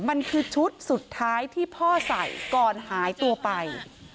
มันคือชุดสุดท้ายที่พ่อใส่ก่อนหายตัวไป